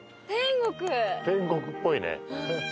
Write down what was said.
玉木：天国っぽいね。